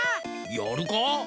やるか。